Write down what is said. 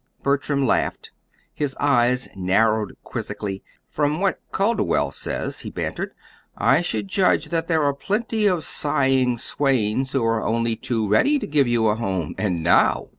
Bertram laughed. His eyes narrowed quizzically. "From what Calderwell says," he bantered, "I should judge that there are plenty of sighing swains who are only too ready to give you a home and now."